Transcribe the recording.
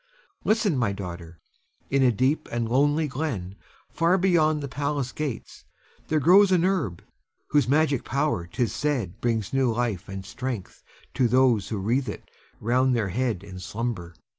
Listen, my daughter! In a deep and lonely glen, far beyond the palace gates, there grows an herb whose magic power 'tis said brings new life and strength to those who wreathe it round their head in slumber.